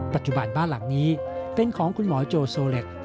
ปัจจุบันบ้านหลังนี้เป็นของคุณหมอโจโซเล็ต